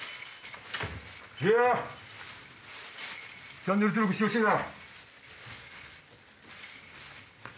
チャンネル登録してほしいな。